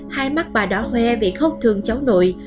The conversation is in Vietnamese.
hai mắt bà đó hoe vì khóc thương cháu nội